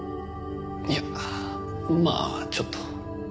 いやまあちょっと。